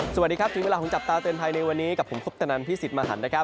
สวัสดีครับนี่เวลาของจับตาเตือนภายในวันนี้กับผมพบตนันพี่ศิษย์มาหัน